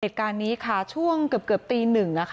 เหตุการณ์นี้ค่ะช่วงเกือบตีหนึ่งนะคะ